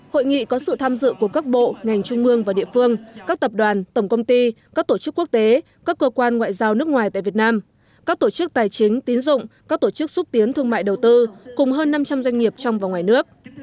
hội nghị có sự tham dự của các bộ ngành trung mương và địa phương các tập đoàn tổng công ty các tổ chức quốc tế các cơ quan ngoại giao nước ngoài tại việt nam các tổ chức tài chính tín dụng các tổ chức xúc tiến thương mại đầu tư cùng hơn năm trăm linh doanh nghiệp trong và ngoài nước